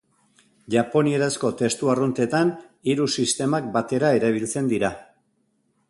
Japonierazko testu arruntetan, hiru sistemak batera erabiltzen dira.